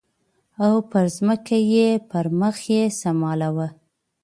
او پر ځمکه یې پړ مخې سملاوه